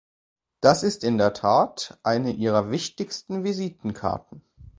Das ist in der Tat eine ihrer wichtigsten Visitenkarten.